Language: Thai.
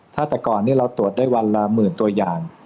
ถ้าแต่ก่อนนี้เราตรวจได้วันละหมื่นตัวอย่าง